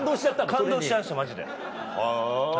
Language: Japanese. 感動しちゃいましたマジで。